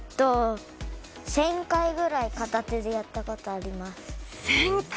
１０００回ぐらい、片手でやったことがあります。